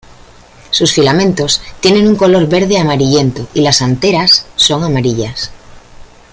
Sus filamentos tienen un color verde amarillento, y las anteras son amarillas.